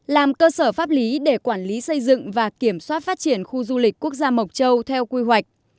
làm cơ sở pháp lý để quản lý xây dựng và kiểm soát phát triển khu du lịch quốc gia mộc châu theo quy hoạch